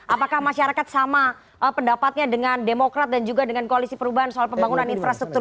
apakah masyarakat sama pendapatnya dengan demokrat dan juga dengan koalisi perubahan soal pembangunan infrastruktur